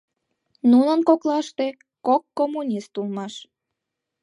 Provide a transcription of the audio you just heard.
Нунын коклаште кок коммунист улмаш.